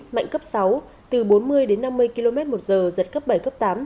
mạnh cấp sáu từ bốn mươi đến năm mươi km một giờ giật cấp bảy cấp tám